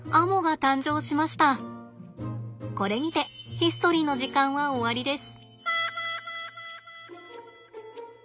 これにてヒストリーの時間は終わりです。